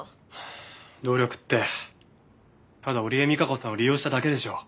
努力ってただ織江美香子さんを利用しただけでしょう。